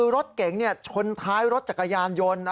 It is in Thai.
รถเก๋งชนท้ายรถจักรยานยนต์